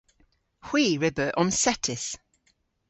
Hwi re beu omsettys.